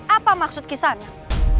apa maksud kisah anak